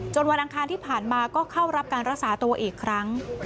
วันอังคารที่ผ่านมาก็เข้ารับการรักษาตัวอีกครั้ง